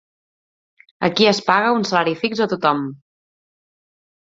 Aquí es paga un salari fix a tothom.